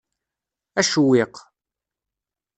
Acewwiq.